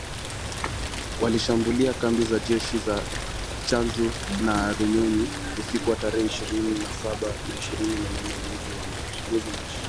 Walishambulia kambi za jeshi za Tchanzu na Runyonyi, usiku wa tarehe ishirini na saba na ishirini na nane mwezi Machi